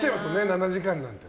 ７時間なんて。